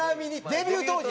デビュー当時。